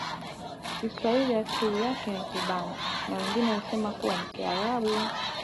kiswahili asili yake ni kibantu na wengine husema kuwa ni kiarabu